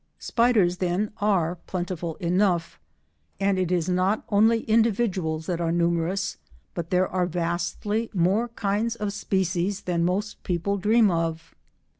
Spiders, then, are plentiful enough, and it is not only individuals that are numerous but there are vastly more kinds or species than most people dream of.